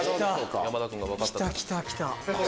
来た来た来た！